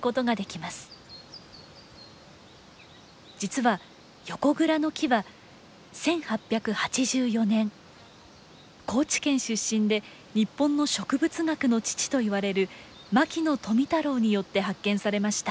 実はヨコグラノキは１８８４年高知県出身で日本の植物学の父といわれる牧野富太郎によって発見されました。